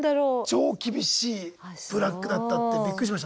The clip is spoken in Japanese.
超厳しいブラックだったってびっくりしましたねあれ。